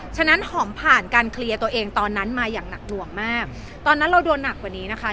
ฉะนั้นหอมผ่านการเคลียร์ตัวเองตอนนั้นมาอย่างหนักหน่วงมากตอนนั้นเราโดนหนักกว่านี้นะคะ